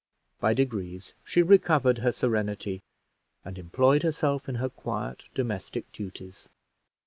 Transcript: By degrees she recovered her serenity, and employed herself in her quiet domestic duties.